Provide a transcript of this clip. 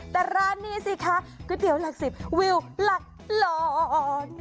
แต่ร้านนี้สิคะก๋วยเตี๋ยวหลัก๑๐วิวหลักหลอน